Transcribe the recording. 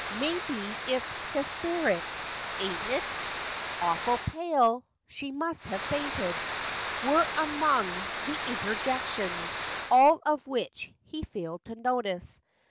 May be it's hystericks ; aint it ? Awful pale ! She must have fainted." Were among the interjections ; All of which he failed to notice.